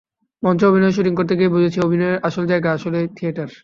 মঞ্চে অভিনয়ের শুটিং করতে গিয়ে বুঝেছি, অভিনয়ের আসল জায়গা আসলে থিয়েটার।